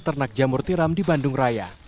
ternak jamur tiram di bandung raya